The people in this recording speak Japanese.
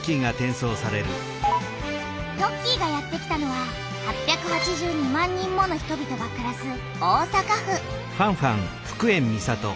トッキーがやってきたのは８８２万人もの人々がくらす大阪府。